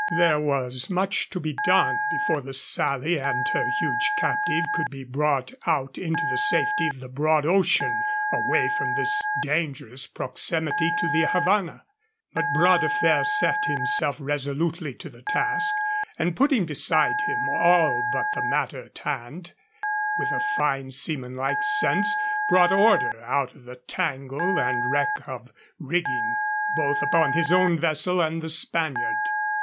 There was much to be done before the Sally and her huge captive could be brought out into the safety of the broad ocean, away from this dangerous proximity to the Havana. But Bras de Fer set himself resolutely to the task, and, putting beside him all but the matter in hand, with a fine, seaman like sense brought order out of the tangle and wreck of rigging both upon his own vessel and the Spaniard.